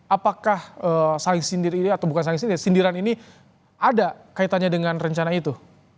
apakah saling sindir ini atau bukan saling sindir sindiran ini ada kaitannya dengan rencana itu